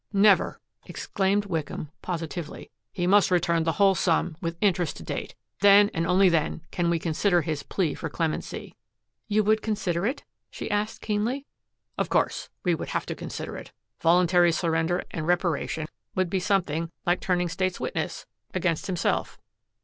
"Never," exclaimed Wickham positively. "He must return the whole sum, with interest to date. Then and only then can we consider his plea for clemency." "You would consider it?" she asked keenly. "Of course. We should have to consider it. Voluntary surrender and reparation would be something like turning state's witness against himself."